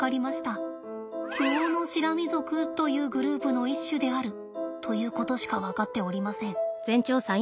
ウオノシラミ属というグループの一種であるということしか分かっておりません。